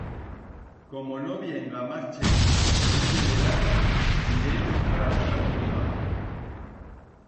Como no vienga mas chent este verano, direm a la catatumba.